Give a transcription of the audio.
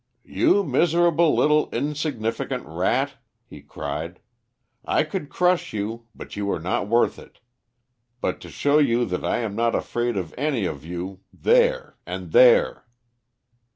"You miserable, little insignificant rat," he cried. "I could crush you, but you are not worth it. But to show you that I am not afraid of any of you, there, and there!"